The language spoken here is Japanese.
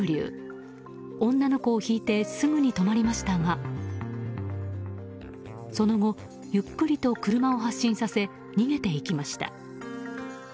女の子をひいてすぐに止まりましたがその後、ゆっくりと車を発進させ逃げていきました。